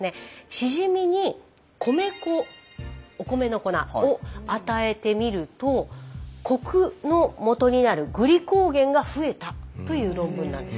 シジミに米粉お米の粉を与えてみるとコクのもとになるグリコーゲンが増えたという論文なんです。